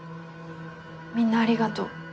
みんなありがとう。